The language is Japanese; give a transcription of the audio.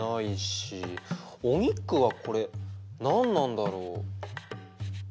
お肉はこれ何なんだろう？